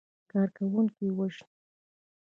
کارکوونکي وژني.